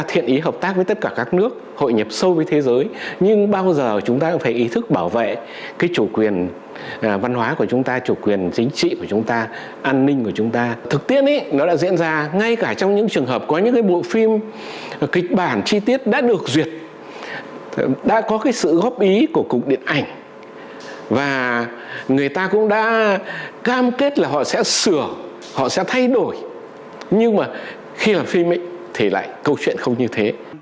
họ sẽ thay đổi nhưng mà khi làm phim ấy thì lại câu chuyện không như thế